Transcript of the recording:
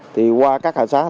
thì qua các hệ sáng